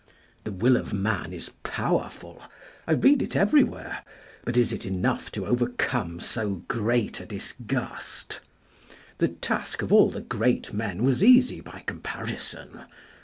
"The will of man is powerful, I read it everywhere, but is it enough to overcome so great a disgust ? The task of all the great men was easy by comparison.